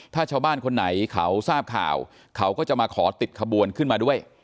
ถ้าชาวบ้านคนไหนเขาทราบข่าวเขาก็จะมาขอติดขบวนขึ้นมาด้วย